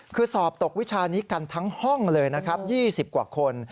คือสอบตกวิชานี้กันทั้งห้องเลยนะครับ๒๐กว่าคน